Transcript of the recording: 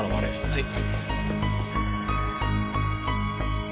はい。